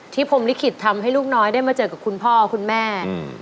พรมลิขิตทำให้ลูกน้อยได้มาเจอกับคุณพ่อคุณแม่